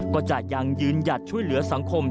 ก็จะยังยืนหยัดช่วยเหลือสังคม